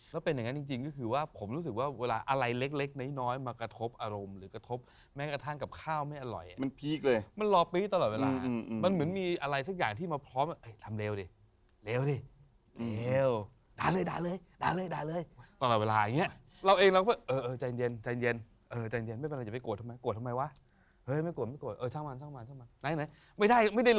ต้องพยายามเตือนสติตัวเองตลอดเวลา